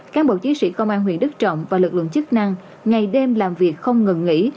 cán bộ chiến sĩ công an huyện đức trọng và lực lượng chức năng ngày đêm làm việc không ngừng nghỉ